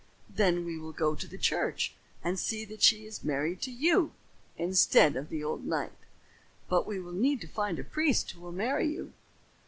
"Then we will go to the church and see that she is married to you instead of the old knight. But we will need to find a priest who will marry you."